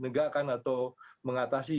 menegakkan atau mengatasi